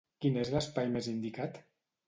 Quin és l'espai més indicat?